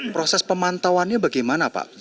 proses pemantauannya bagaimana pak